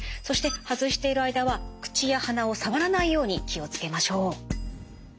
そして外している間は口や鼻を触らないように気を付けましょう。